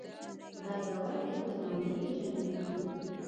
خدای به ورکي په ځوانۍ کې جنتونه.